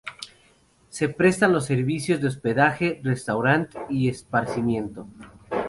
Se prestan los servicios de hospedaje, restaurant y esparcimiento.